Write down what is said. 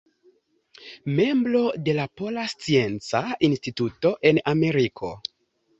Membro de la Pola Scienca Instituto en Ameriko.